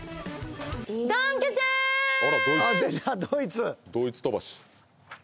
ドイツ。